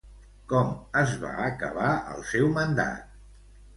Com es va acabar el seu mandat?